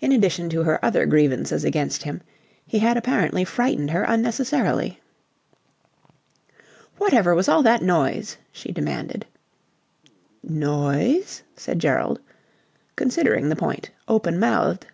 In addition to her other grievances against him, he had apparently frightened her unnecessarily. "Whatever was all that noise?" she demanded. "Noise?" said Gerald, considering the point open mouthed.